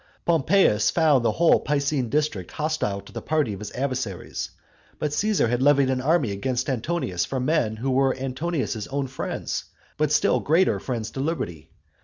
Pompeius found the whole Picene district hostile to the party of his adversaries; but Caesar has levied an army against Antonius from men who were Antonius's own friends, but still greater friends to liberty.